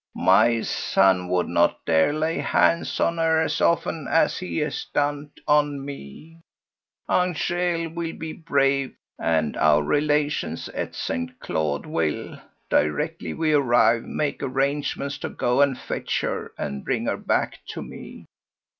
My son would not dare lay hands on her as often as he has done on me. Angèle will be brave, and our relations at St. Claude will, directly we arrive, make arrangements to go and fetch her and bring her back to me.